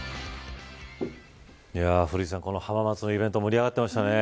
古市さん、浜松のイベント盛り上がってましたね。